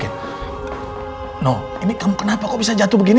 no ini kamu kenapa kok bisa jatuh begini